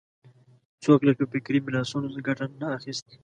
څوک له فکري میراثونو ګټه نه اخیستی